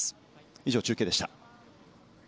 以上、中継でした。